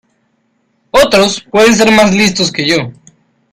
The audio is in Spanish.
Otros pueden ser más listos que yo.